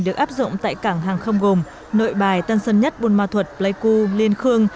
được áp dụng tại cảng hàng không gồm nội bài tân sơn nhất bùn ma thuật lê cưu liên khương